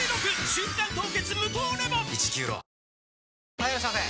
・はいいらっしゃいませ！